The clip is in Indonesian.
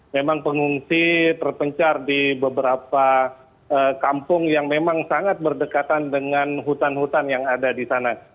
memang pengungsi terpencar di beberapa kampung yang memang sangat berdekatan dengan hutan hutan yang ada di sana